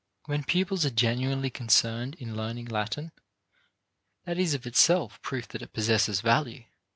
When pupils are genuinely concerned in learning Latin, that is of itself proof that it possesses value.